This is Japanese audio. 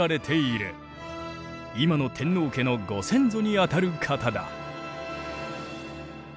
今の天皇家のご先祖にあたる方だ。